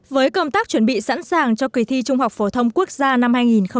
với công tác chuẩn bị sẵn sàng cho kỳ thi trung học phổ thông quốc gia năm hai nghìn một mươi chín